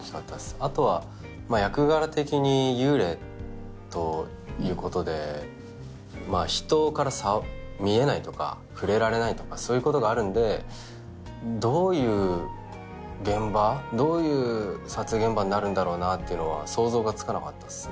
あとは役柄的に幽霊ということでまあ人から見えないとか触れられないとかそういうことがあるんでどういう現場どういう撮影現場になるんだろうなっていうのは想像がつかなかったですね